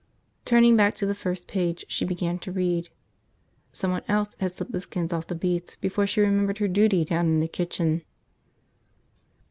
Turning back to the first page, she began to read. Someone else had slipped the skins off the beets before she remembered her duty down in the kitchen.